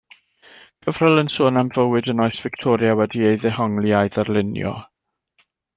Cyfrol yn sôn am fywyd yn oes Victoria wedi ei ddehongli a'i ddarlunio.